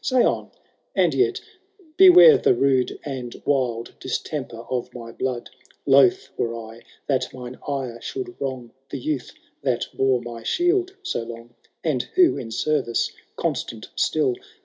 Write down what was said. Say on— and yet — beware the rude And wild distemper of my blood ; Loath were I that mine ire should wrong The youth that bore my shield so long, And who, in service constant still.